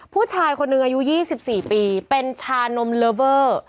ผู้ชายคนหนึ่งอายุ๒๔ปีเป็นชานมเลอเวอร์